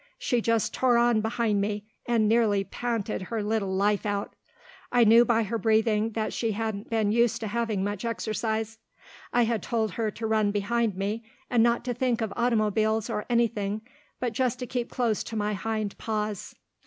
She just tore on behind me, and nearly panted her little life out. I knew by her breathing that she hadn't been used to having much exercise. I had told her to run behind me, and not to think of automobiles or anything, but just to keep close to my hind paws.